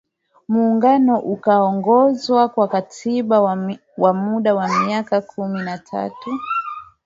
Muungano ukaongozwa kwa Katiba ya Muda kwa miaka kumi na tatu